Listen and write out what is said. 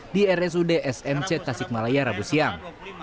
di rsud smc tasikmalaya rabu siang